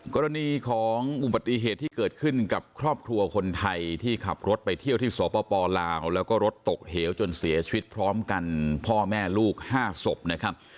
กรณีของอุบัติเหตุที่เกิดขึ้นกับครอบครัวคนไทยที่ขับรถไปเที่ยวที่สปลาวแล้วก็รถตกเหวจนเสียชีวิตพร้อมกันพ่อแม่ลูก๕ศพนะครับ